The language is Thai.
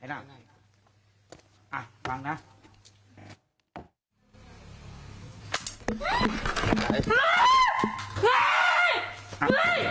อ้าฟังนะ